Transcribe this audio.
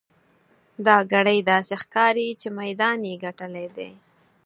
دا ګړی داسې ښکاري چې میدان یې ګټلی دی.